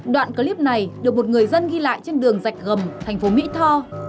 đoạn clip này được một người dân ghi lại trên đường dạch gầm thành phố mỹ tho